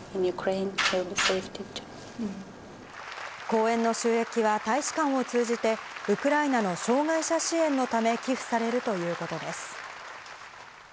公演の収益は、大使館を通じて、ウクライナの障がい者支援のため、寄付されるということです。